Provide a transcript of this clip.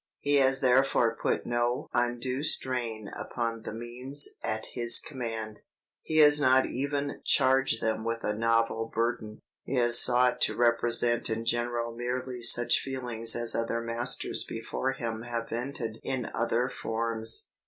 He has therefore put no undue strain upon the means at his command; he has not even charged them with a novel burden. He has sought to represent in general merely such feelings as other masters before him have vented in other forms.